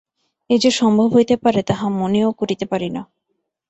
এ যে সম্ভব হইতে পারে তাহা মনেও করিতে পারি না।